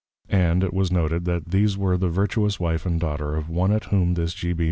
And it was noted, that these were the Vertuous Wife and Daughter of one at whom this _G.